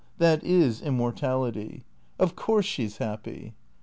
That is immortality. Of course she 's happy."